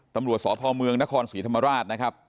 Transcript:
ตำรวจสพเมืองนครศรีธรรมราชนะครับ